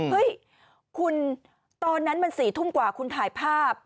เฮ้ยคุณตอนนั้นมัน๔ทุ่มกว่าคุณถ่ายภาพ